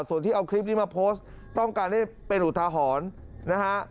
ส่วนที่เอาคลิปนี้มาโพสต์ต้องการให้เป็นอุทาหรณ์นะฮะ